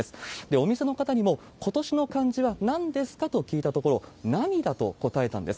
お店の方にも、今年の漢字はなんですか？と聞いたところ、涙と答えたんです。